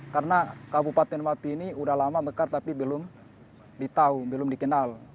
karena kabupaten mapi ini udah lama bekal tapi belum dikenal